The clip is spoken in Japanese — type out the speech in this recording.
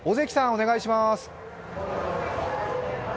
お願いします。